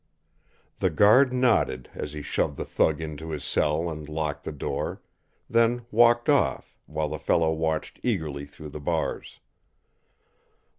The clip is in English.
The guard nodded as he shoved the thug into his cell and locked the door, then walked off, while the fellow watched eagerly through the bars.